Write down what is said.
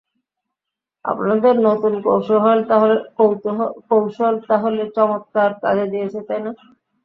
আপনাদের নতুন কৌশল তাহলে চমৎকার কাজে দিয়েছে, তাই না?